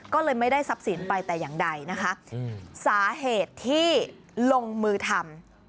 ก็เลยไม่ได้ทรัพย์สินไปแต่อย่างใดนะคะสาเหตุที่ลงมือทำ